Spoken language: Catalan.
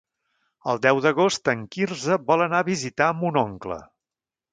El deu d'agost en Quirze vol anar a visitar mon oncle.